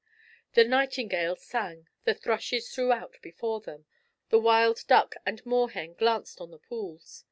The nightingales sang, the thrushes flew out before them, the wild duck and moorhen glanced on the pools.